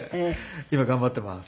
今頑張っています。